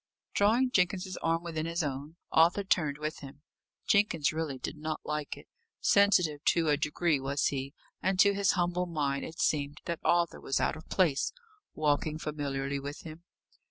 Drawing Jenkins's arm within his own, Arthur turned with him. Jenkins really did not like it. Sensitive to a degree was he: and, to his humble mind, it seemed that Arthur was out of place, walking familiarly with him.